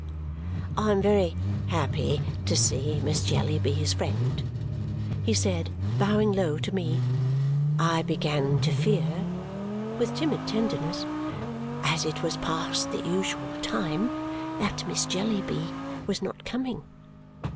"I am very happy to see Miss Jellyby's friend," he said, bowing low to me. "I began to fear," with timid tenderness, "as it was past the usual time, that Miss Jellyby was not coming."